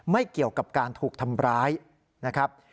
ไม่เกี่ยวกับการถูกทำร้ายนะครับ